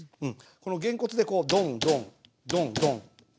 このげんこつでこうドンドンドンドンドン。